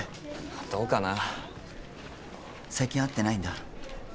どうかな最近会ってないんだ